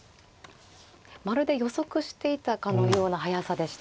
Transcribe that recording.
まるで予測していたかのような速さでした。